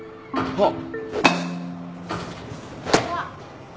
あっ。